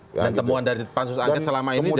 dan temuan dari pansus angket selama ini